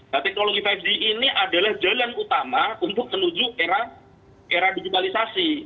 nah teknologi lima g ini adalah jalan utama untuk menuju era digitalisasi